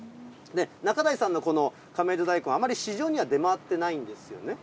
中代さんのこの亀戸大根、あまり市場には出回ってないんですよね。